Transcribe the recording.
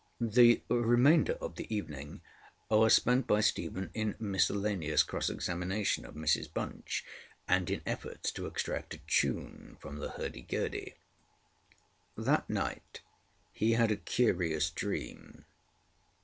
ŌĆØ The remainder of the evening was spent by Stephen in miscellaneous cross examination of Mrs Bunch and in efforts to extract a tune from the hurdy gurdy. That night he had a curious dream.